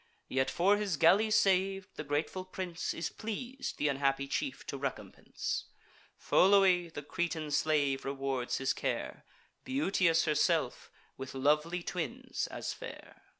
Yet, for his galley sav'd, the grateful prince Is pleas'd th' unhappy chief to recompense. Pholoe, the Cretan slave, rewards his care, Beauteous herself, with lovely twins as fair.